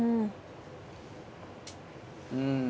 うん。